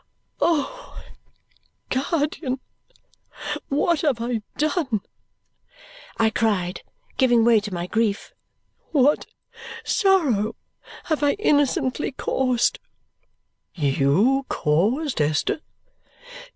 "Oh, guardian, what have I done!" I cried, giving way to my grief; "what sorrow have I innocently caused!" "You caused, Esther?"